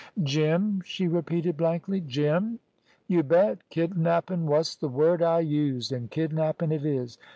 "Jim!" she repeated blankly. "Jim!" "You bet. Kidnappin' wos th' word I used, an' kidnappin' it is.